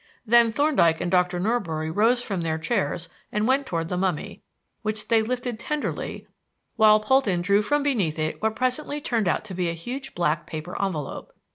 Then Thorndyke and Dr. Norbury rose from their chairs and went toward the mummy, which they lifted tenderly while Polton drew from beneath it what presently turned out to be a huge black paper envelope.